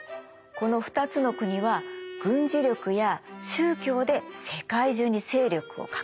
この２つの国は軍事力や宗教で世界中に勢力を拡大してたの。